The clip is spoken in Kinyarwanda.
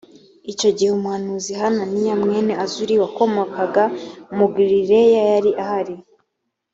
icyo gihe umuhanuzi hananiya mwene azuri wakomokaga mu glileya yari ahari